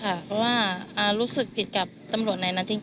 เพราะว่ารู้สึกผิดกับตำรวจในนั้นจริง